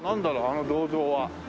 あの銅像は。